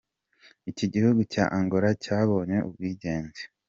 Igihugu cya Angola cyabonye ubwigenge.